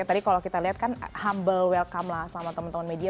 jadi kalau kita lihat kan humble welcome lah sama temen temen media